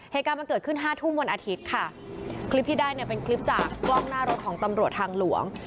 เหตุการณ์มันเกิดขึ้นห้าทุ่มวันอาทิตย์ค่ะคลิปที่ได้เนี่ยเป็นคลิปจากกล้องหน้ารถของตำรวจทางหลวง